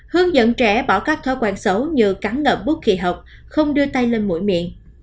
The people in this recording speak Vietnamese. hướng dẫn trẻ bỏ các thói quen xấu như cắn ngập bút kỳ học không đưa tay lên mũi miệng